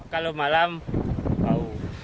kalau malam tahu